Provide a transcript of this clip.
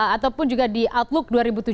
ataupun juga di outlook dua ribu tujuh belas